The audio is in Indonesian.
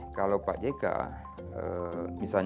dan kemudian ada potensi ketidakpastian